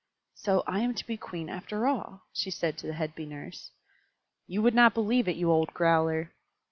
"So I am to be Queen after all," she said to the head Bee Nurse. "You would not believe it, you old growler!"